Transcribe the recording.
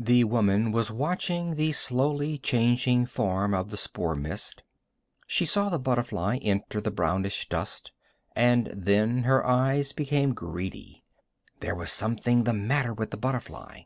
The woman was watching the slowly changing form of the spore mist. She saw the butterfly enter the brownish dust, and then her eyes became greedy. There was something the matter with the butterfly.